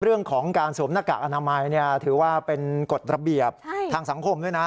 เรื่องของการสวมหน้ากากอนามัยถือว่าเป็นกฎระเบียบทางสังคมด้วยนะ